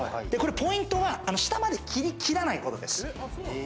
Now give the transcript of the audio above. これ、ポイントは下まで切りきらないことです。